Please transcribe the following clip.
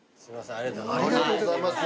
ありがとうございます。